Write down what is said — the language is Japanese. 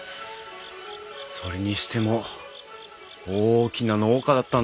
それにしても大きな農家だったんだろうなあ。